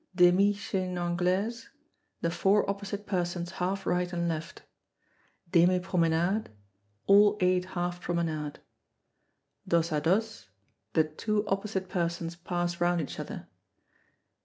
Demie Chaine Anglaise. The four opposite persons half right and left. Demie Promenade. All eight half promenade. Dos à dos. The two opposite persons pass round each other.